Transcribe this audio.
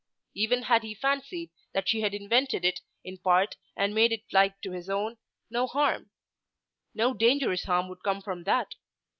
Even had he fancied that she had "invented it" in part and made it like to his own, no harm, no dangerous harm would come from that.